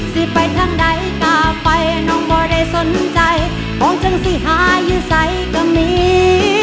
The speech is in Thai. ซิร์ทไปทางไหนกลับไปน้องบ่ได้สนใจเอาะจนซิหายื้อใส่ก็มี